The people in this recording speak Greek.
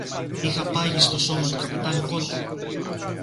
Είχα πάγει στο σώμα του καπετάν-Κώττα.